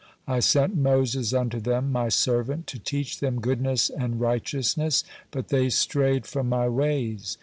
I sent Moses unto them, My servant, to teach them goodness and righteousness. But they strayed from My ways.